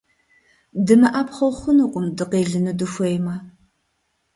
ДымыӀэпхъуэу хъунукъым, дыкъелыну дыхуеймэ.